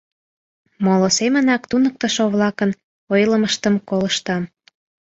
— Моло семынак туныктышо-влакын ойлымыштым колыштам...